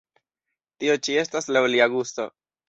Tio ĉi estas laŭ lia gusto.